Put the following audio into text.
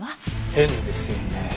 変ですよね。